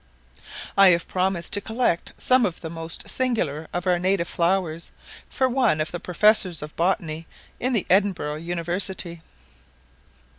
I have promised to collect some of the most singular of our native flowers for one of the Professors of Botany in the Edinburgh University.